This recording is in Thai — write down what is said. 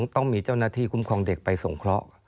ต้องมีเจ้าหน้าที่คุ้มครองเด็กไปส่งเคราะห์